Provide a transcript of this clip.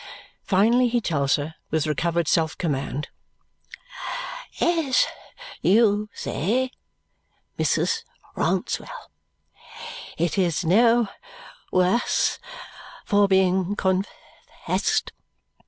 Finally he tells her, with recovered self command, "As you say, Mrs. Rouncewell, it is no worse for being confessed.